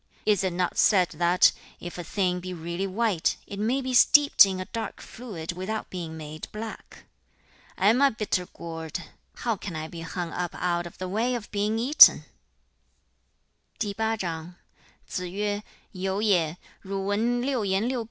Is it not said, that, if a thing be really white, it may be steeped in a dark fluid without being made black? 4. 'Am I a bitter gourd! How can I be hung up out of the way of being eaten?' [第八章][一節]子曰/由也/女聞六言六蔽矣乎.對曰/未也.[二節] 居/吾語女.